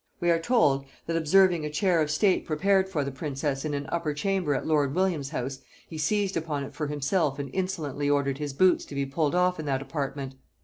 We are told, that observing a chair of state prepared for the princess in an upper chamber at lord Williams's house, he seized upon it for himself and insolently ordered his boots to be pulled off in that apartment.